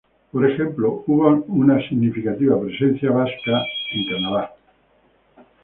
Por ejemplo hubo una significativa presencia vasca en Canadá.